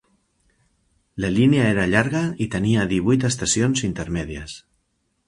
La línia era llarga i tenia divuit estacions intermèdies.